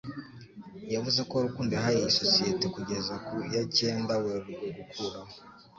Yavuze ko Rukundo yahaye isosiyete kugeza ku yacyenda Werurwe gukuraho